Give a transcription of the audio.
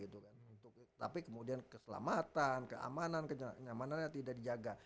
tapi kemudian keselamatan keamanan kenyamanannya tidak dijaga